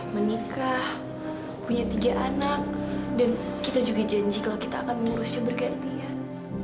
menikah punya tiga anak dan kita juga janji kalau kita akan mengurusnya bergantian